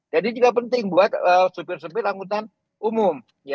jadi juga penting buat supir supir anggota umum